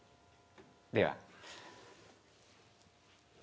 では。